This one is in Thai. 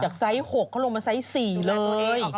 จากไซส์๖เขาลงมาไซส์๔เลย